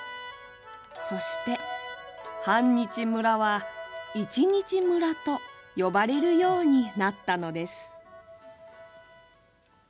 そして半日村は、一日村と呼ばれるようになったのです。